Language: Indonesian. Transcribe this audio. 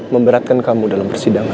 memberatkan kamu dalam persidangan